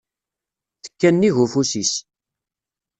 Tekka-nnig ufus-is.